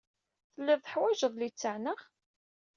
Telliḍ teḥwajeḍ littseɛ, naɣ?